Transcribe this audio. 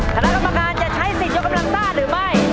คณะกรรมการจะใช้สิทธิ์ยกกำลังซ่าหรือไม่